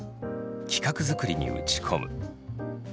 企画づくりに打ち込む。